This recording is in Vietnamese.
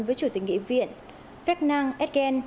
với chủ tịch nghị viện ferdinand hedgen